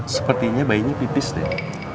sepertinya bayinya pipis deh